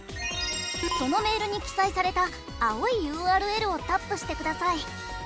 そのメールに記載された青いＵＲＬをタップしてください。